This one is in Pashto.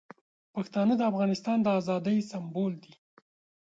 پښتانه د افغانستان د ازادۍ سمبول دي.